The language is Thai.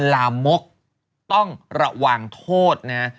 ลามกต้องระวังโทษนะฮะ